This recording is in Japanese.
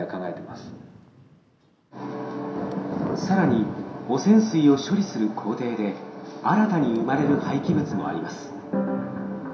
更に汚染水を処理する工程で新たに生まれる廃棄物もあります。